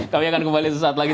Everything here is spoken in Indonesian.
kami akan kembali sesaat lagi